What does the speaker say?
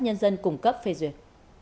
nhân dân cung cấp phê duyệt